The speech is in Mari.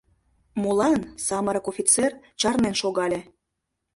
— Молан?! — самырык офицер чарнен шогале.